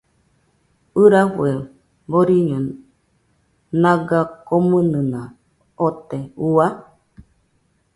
ɨrafue boriño naga komɨnɨna ote, Ua